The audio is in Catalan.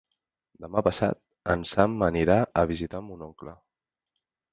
Demà passat en Sam anirà a visitar mon oncle.